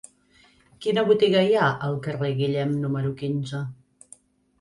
Quina botiga hi ha al carrer de Guillem número quinze?